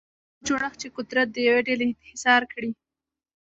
هغه جوړښت چې قدرت د یوې ډلې انحصار کړي.